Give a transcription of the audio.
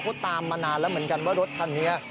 เขาตามมานานแล้วเหมือนกันว่ารถคันนี้